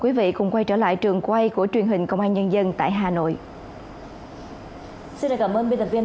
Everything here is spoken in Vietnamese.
quý vị cùng quay trở lại trường quay của truyền hình công an nhân dân tại hà nội xin cảm ơn biên tập viên